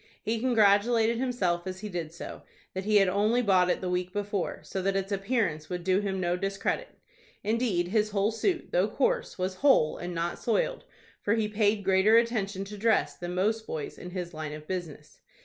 He congratulated himself, as he did so, that he had only bought it the week before, so that its appearance would do him no discredit Indeed his whole suit, though coarse, was whole, and not soiled, for he paid greater attention to dress than most boys in his line of business.